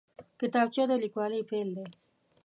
کتابچه د لیکوالۍ پیل دی